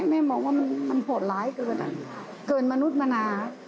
แม่มองว่ามันโหดร้ายเกินเกินมนุษย์มนา